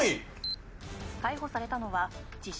「逮捕されたのは自称